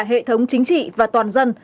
hệ thống chính trị và toàn dân